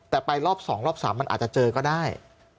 แต่ไปรอบ๒รอบ๓มันอาจจะเจอก็ได้